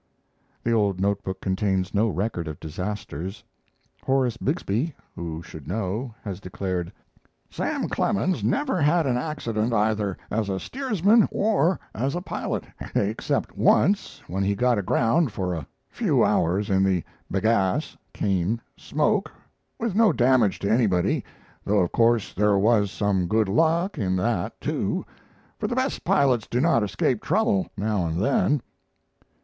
The old note book contains no record of disasters. Horace Bixby, who should know, has declared: "Sam Clemens never had an accident either as a steersman or as a pilot, except once when he got aground for a few hours in the bagasse (cane) smoke, with no damage to anybody though of course there was some good luck in that too, for the best pilots do not escape trouble, now and then."